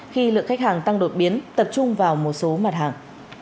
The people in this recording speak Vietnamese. khi lượng khách hàng tăng đột biến tập trung vào một số mặt hàng